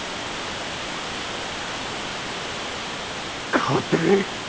代わってくれ。